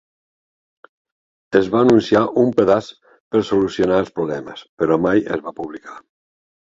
Es va anunciar un pedaç per solucionar els problemes, però mai es va publicar.